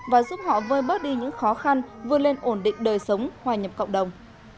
và giúp họ vơi bớt đi những khó khăn vươn lên ổn định đời sống hoài nhập cộng đồng